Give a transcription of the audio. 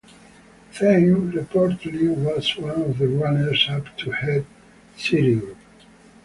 Thain reportedly was one of the runners-up to head Citigroup.